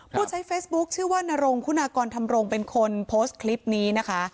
ผู้ใช้เฟซบุ๊คชื่อว่านรงคุณากรธรรมรงเป็นคนโพสต์คลิปนี้นะคะ